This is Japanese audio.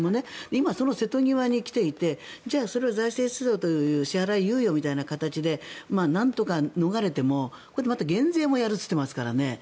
今、その瀬戸際に来ていてじゃあ、それを財政出動という支払い猶予という形でなんとか逃れても減税もやるって言ってますからね。